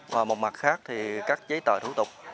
và một mặt khác thì các giấy tờ thủ tục